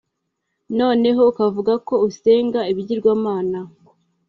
noneho ukavuga ko usenga ibigirwamana